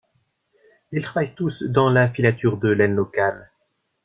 Ils travaillent tous dans la filature de laine locale.